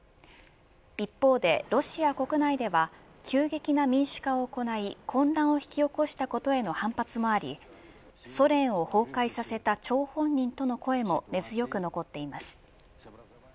一方でロシア国内では急激な民主化を行い混乱を引き起こしたことへの反発もありソ連を崩壊させた張本人との声も根強く残っています。